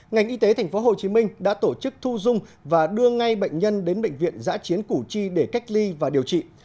ngành y tế tp hcm đã tổ chức thu dung và đưa ngay bệnh nhân đến bệnh viện giã chiến củ chi để cách ly và điều trị